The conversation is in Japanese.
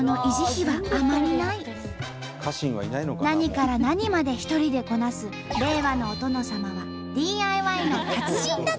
何から何まで一人でこなす令和のお殿様はＤＩＹの達人だった。